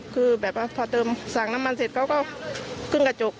คือแบบว่าพอเติมสั่งน้ำมันเสร็จเขาก็ขึ้นกระจก